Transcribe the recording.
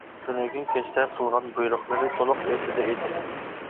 تۈنۈگۈن كەچتە قىلغان بۇيرۇقلىرى تولۇق ئېسىدە ئىدى.